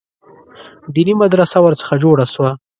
دیني مدرسه ورڅخه جوړه سوه.